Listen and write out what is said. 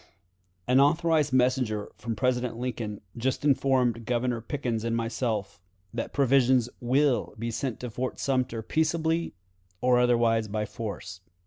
"An authorized messenger from President Lincoln just informed Governor Pickens and myself that provisions will be sent to Fort Sumter peaceably, or otherwise by force.